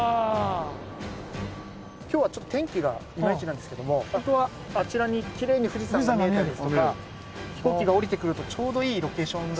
今日はちょっと天気がいまいちなんですけども本当はあちらにきれいに富士山が見えたりですとか飛行機が降りてくるとちょうどいいロケーション。